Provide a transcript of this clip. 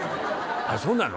ああそうなの？